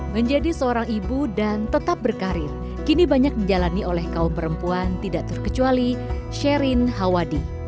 menjadi seorang ibu dan tetap berkarir kini banyak dijalani oleh kaum perempuan tidak terkecuali sherin hawadi